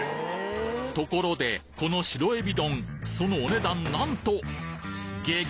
ところでこの白えび丼そのお値段なんとげげ！